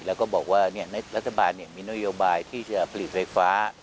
แล้วก็บอกว่ารัฐบาลมีนโยบายที่จะผลิตไฟฟ้า